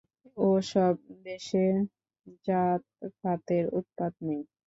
ও-সব দেশে জাত-ফাতের উৎপাত নেই।